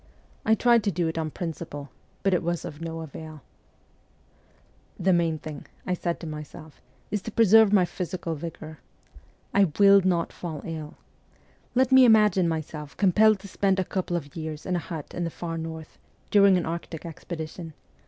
I tried to do it on principle, but it was of no avail. 'The main thing,' I said to myself, 'is to preserve THE FORTRESS 145 my physical vigour. I will not fall ill. Let me imagine myself compelled to spend a couple of years in a hut in the far north, during an arctic expedition.